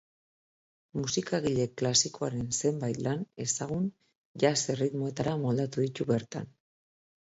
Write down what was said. Musikagile klasikoaren zenbait lan ezagun jazz erritmoetara moldatu ditu bertan.